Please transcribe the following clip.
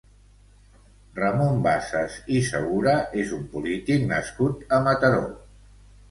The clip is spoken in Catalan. Ramon Bassas i Segura és un polític nascut a Mataró.